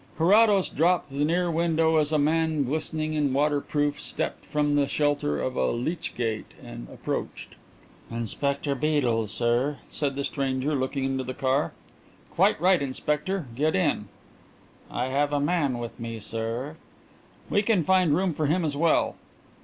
Carrados dropped the near window as a man in glistening waterproof stepped from the shelter of a lich gate and approached. "Inspector Beedel, sir," said the stranger, looking into the car. "Quite right, Inspector," said Carrados. "Get in." "I have a man with me, sir." "We can find room for him as well."